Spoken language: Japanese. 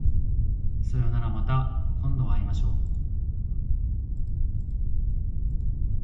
さようならまた今度会いましょう